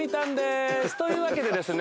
というわけでですね